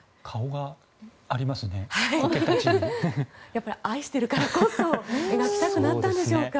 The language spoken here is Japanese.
やっぱり愛しているからこそ描きたくなったんでしょうか。